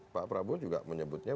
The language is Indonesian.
pak prabowo juga menyebutnya